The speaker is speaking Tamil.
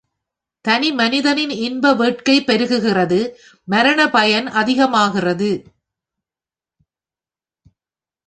தனி மனிதனின் இன்ப வேட்கை பெருகுகிறது மரணபயன் அதிகமாகிறது.